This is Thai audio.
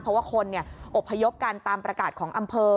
เพราะว่าคนอบพยพกันตามประกาศของอำเภอ